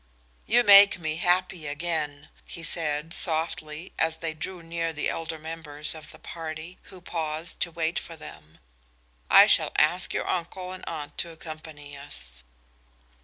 "You make me happy again," he said, softly, as they drew near the elder members of the party, who had paused to wait for them. "I shall ask your uncle and aunt to accompany us."